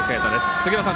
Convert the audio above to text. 杉浦さん